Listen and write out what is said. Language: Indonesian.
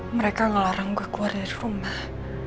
mereka ngelarang udah keluar dari rumah